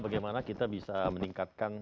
bagaimana kita bisa meningkatkan